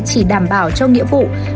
chỉ đảm bảo cho nghĩa vụ